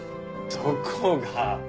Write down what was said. どこが？